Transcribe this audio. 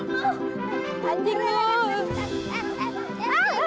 mau ke tulang mulu